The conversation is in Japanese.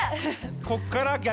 こっから逆？